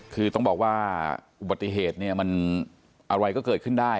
คือต้องบอกว่าอุบัติเหตุเนี่ยมันอะไรก็เกิดขึ้นได้